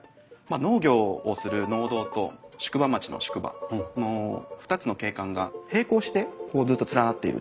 農業をする農道と宿場町の宿場の２つの景観が平行してずっと連なっている地域。